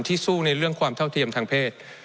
สู้ในเรื่องความเท่าเทียมทางเพศ